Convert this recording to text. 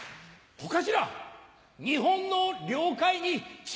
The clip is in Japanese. お頭。